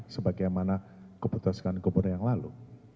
sebagaimana keputuskan kebun yang lalu